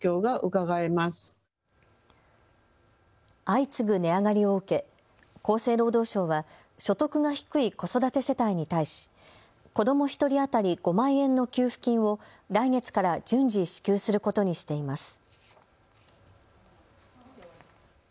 相次ぐ値上がりを受け、厚生労働省は所得が低い子育て世帯に対し子ども１人当たり５万円の給付金を来月から順次、支給することにしています。